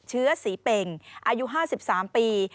เชื้อศรีเป่งอายุ๕๓ปี